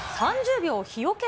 ３０秒日よけ